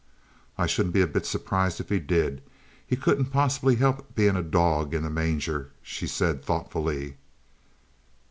"I shouldn't be a bit surprised if he did. He couldn't possibly help being a dog in the manger," she said thoughtfully.